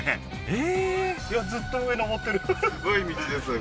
ええーいやずっと上上ってるすごい道ですね